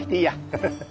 フフフッ。